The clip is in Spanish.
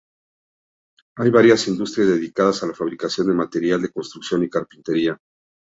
Hay varias industrias dedicadas a la fabricación de material de construcción y carpintería.